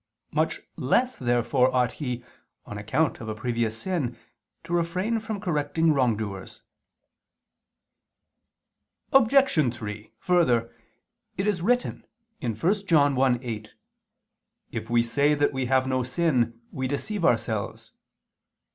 Much less therefore ought he, on account of a previous sin, to refrain from correcting wrongdoers. Obj. 3: Further, it is written (1 John 1:8): "If we say that we have no sin, we deceive ourselves."